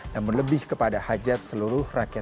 namun lebih kepada hajat seluruh rakyat